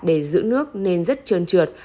để giữ nước nên rất trơn trượt